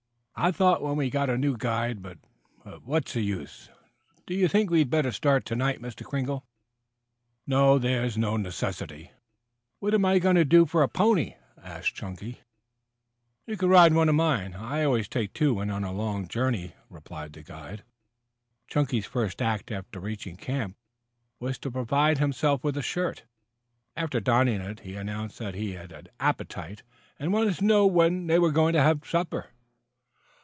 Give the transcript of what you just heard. I thought when we got a new guide but what's the use? Do you think we had better start to night, Mr. Kringle?" "No. There is no necessity." "What am I going to do for a pony?" asked Chunky. "You can ride one of mine. I always take two when on a long journey," replied the guide. Chunky's first act after reaching camp, was to provide himself with a shirt. After donning it, he announced that he had an appetite and wanted to know when they were going to have supper.